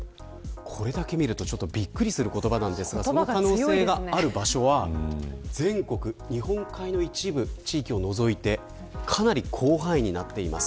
これだけ見るとびっくりする言葉なんですがその可能性がある場所は全国日本海の一部地域を除いてかなり広範囲になっています。